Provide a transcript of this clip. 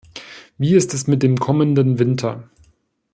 Wie ist es mit dem kommenden Winter?